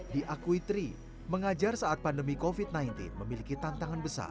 diakui tri mengajar saat pandemi covid sembilan belas memiliki tantangan besar